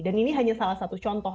dan ini hanya salah satu contoh